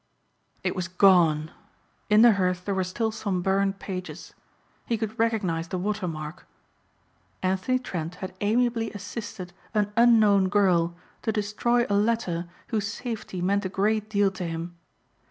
It was gone. In the hearth there were still some burned pages. He could recognize the watermark. Anthony Trent had amiably assisted an unknown girl to destroy a letter whose safety meant a great deal to him.